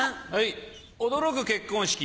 驚く結婚式。